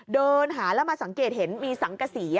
เดินหาแล้วมาสังเกตเห็นมีสังกษี